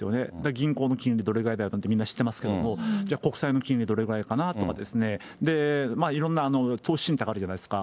銀行の金利、どれぐらいかって、みんな知っていますけれども、じゃあ、国債の金利どれくらいかなとかですね、いろんな投資信託あるじゃないですか。